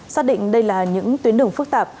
xác định đây là những tuyến đường phức tạp